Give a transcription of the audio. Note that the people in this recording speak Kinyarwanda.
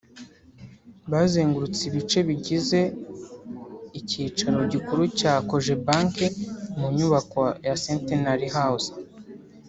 Bazengurutse ibice bigize icyicaro gikuru cya Cogebanque mu nyubako ya Centenary House